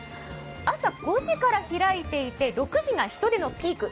朝５時から開いていて６時が人出のピーク。